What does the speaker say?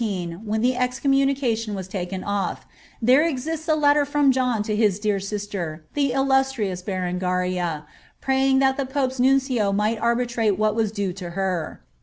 In 1214, when the excommuuicsiion was taken off, there exiotai In ter from John to " his dear sifter, the illustrious Berengaria, Pi^dm dial the pope's nuncio might arbitrate what was due lo hor."